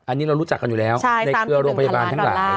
อันนี้เรารู้จักกันอยู่แล้วในเครือโรงพยาบาลทั้งหลาย